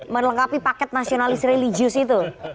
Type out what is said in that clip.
melengkapi paket nasionalis religius itu